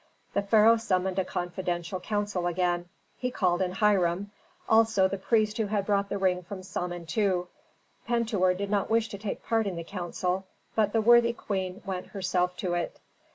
The pharaoh summoned a confidential council again. He called in Hiram, also the priest who had brought the ring from Samentu. Pentuer did not wish to take part in the council, but the worthy queen went herself to it.